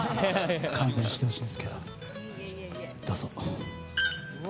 勘弁してほしいんですけどどうぞ。